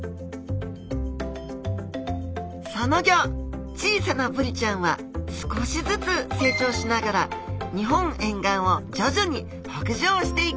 そのギョ小さなブリちゃんは少しずつ成長しながら日本沿岸を徐々に北上していきます